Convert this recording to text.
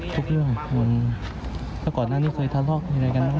ทุกเรื่องถ้าเกิดหน้านี้เคยทะเลาะเคยอะไรกันต้องไหม